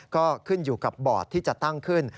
ก็ขึ้นอยู่กับบอร์ดที่จะตั้งขึ้น